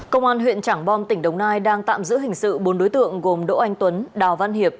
công an huyện trảng bom tỉnh đồng nai đang tạm giữ hình sự bốn đối tượng gồm đỗ anh tuấn đào văn hiệp